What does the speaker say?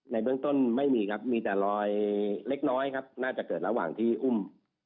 ในเบื้องต้นไม่มีครับมีแต่รอยเล็กน้อยครับน่าจะเกิดระหว่างที่อุ้ม